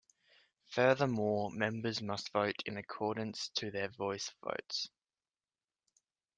Furthermore, members must vote in accordance to their voice votes.